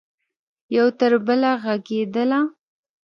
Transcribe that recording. یو تربله ږغیدله